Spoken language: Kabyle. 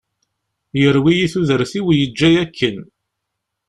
Yerwi-iyi tudert-iw yeǧǧa-iyi akken.